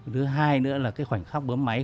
thứ hai nữa là cái khoảnh khắc bấm máy